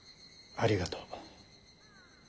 ありがとう。